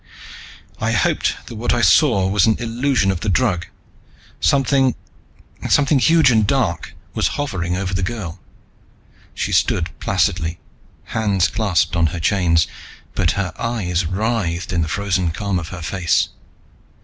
I hoped that what I saw was an illusion of the drug something, something huge and dark, was hovering over the girl. She stood placidly, hands clasped on her chains, but her eyes writhed in the frozen calm of her face.